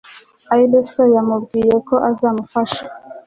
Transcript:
larisa yamubwiraga ko azamufasha